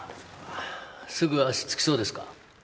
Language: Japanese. すぐ足つきそうですか？